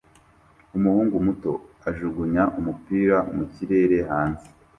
Umuhungu muto ajugunya umupira mu kirere hanze